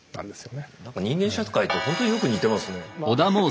人間社会とほんとによく似てますね。